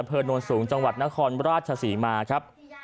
โน้นสูงจังหวัดนครราชศรีมาครับ